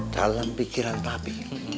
dalam pikiran papi